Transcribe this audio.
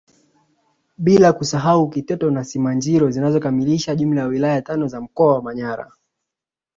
Bila kusahau Kiteto na Simanjiro zinazokamilisha jumla ya wilaya tano za mkoa wa Manyara